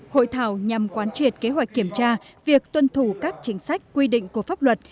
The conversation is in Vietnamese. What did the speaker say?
hội thảo nhằm quán triệt kế hoạch kiểm tra việc tuân thủ các chính sách quy định của pháp luật